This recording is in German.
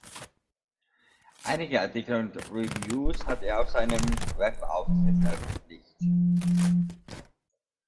Einige Artikel und Reviews hat er auf seinem Webauftritt veröffentlicht.